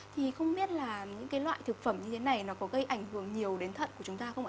thì không biết là những cái loại thực phẩm như thế này nó có gây ảnh hưởng nhiều đến thận của chúng ta không ạ